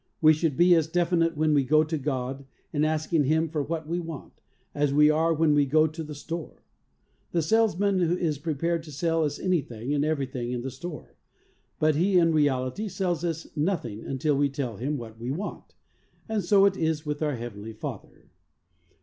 We should be as definite when we go to God, in asking Him for what we want, as we are when we go to the store. The sales man is prepared to sell us anything and everything in the store, but he in reality sells us nothing until we tell him what we want, and so it is with our Heavenly Father.